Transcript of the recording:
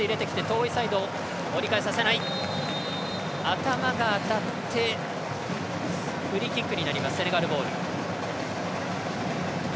頭が当たってフリーキックになりますセネガルボール。